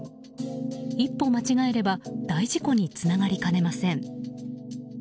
一歩間違えれば大事故につながりかねません。